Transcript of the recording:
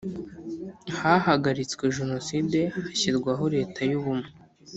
Hahagaritswe Jenoside hashyirwaho Leta y’ ubumwe